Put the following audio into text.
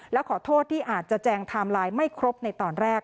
และขอโทษที่อาจจะแจงไทม์ไลน์ไม่ครบในตอนแรก